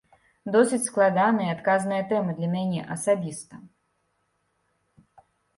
Досыць складаная і адказная тэма для мяне асабіста.